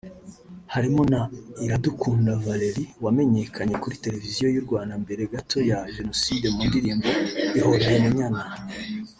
harimo na Iradukunda Valerie wamenyekanye kuri televiziyo y’u Rwanda mbere gato ya Jenoside mu ndirimbo “Ihorere Munyana”